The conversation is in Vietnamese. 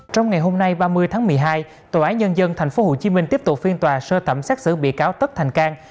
trong ngày hôm nay ba mươi tháng một mươi hai tòa án nhân dân tp hcm tiếp tục phiên tòa sơ thẩm xét xử bị cáo tất thành cang